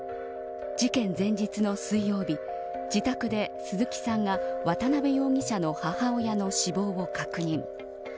事件前日の水曜日自宅で鈴木さんが渡辺容疑者の母親の死亡を確認。